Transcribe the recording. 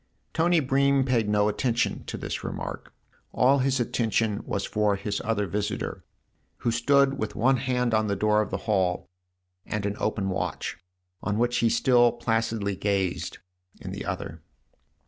Tony Bream paid no attention to this remark ; all his attention was for his other visitor, who stood with one hand on the door of the hall and an open watch, on which he still placidly gazed, in the other.